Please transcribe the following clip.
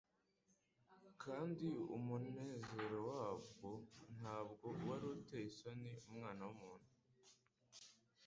kandi umunezero wabwo ntabwo wari uteye isoni Umwana w’umuntu